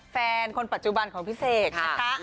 แฟนคนปัจจุบันของพี่เสกนะคะ